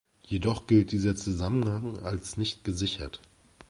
Jedoch gilt dieser Zusammenhang als nicht gesichert.